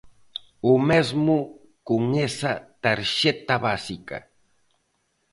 O mesmo con esa Tarxeta Básica.